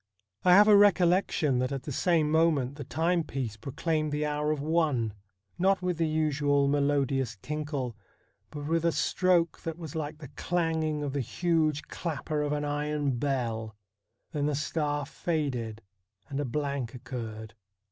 I have a recollection that at the same moment the time piece proclaimed the hour of one, not with the usual melodious 38 STORIES WEIRD AND WONDERFUL tinkle, but with a stroke that was like the clanging of the huge clapper of an iron bell. Then the star faded and a blank occurred.